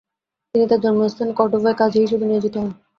তিনি তাঁর জন্মস্থান কর্ডোবায় কাজি হিসেবে নিয়োজিত হন।